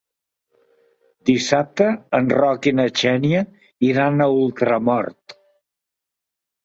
Dissabte en Roc i na Xènia iran a Ultramort.